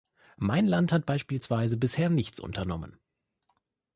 Mein Land hat beispielsweise bisher nichts unternommen.